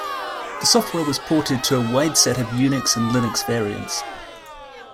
The software was ported to a wide set of Unix and Linux variants.